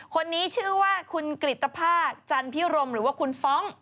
คนนี้ชื่อว่าคุณกริตภาคจันพิรมหรือว่าคุณฟ้อง